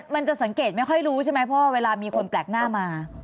มันจะสังเกตไม่ค่อยรู้ใช่ไหมเพราะว่าเวลามีคนแปลกหน้ามา